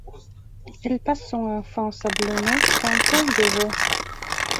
Elle passe son enfance à Blonay, canton de Vaud.